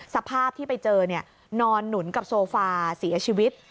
สภาพที่ไปเจอนอนหนุนกับโซฟาเสียชีวิต